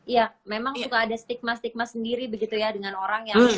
ya memang suka ada stigma stigma sendiri begitu ya dengan orang yang